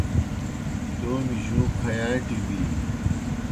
تومیْ جُوں کھیاݩٹیْ بِینیْ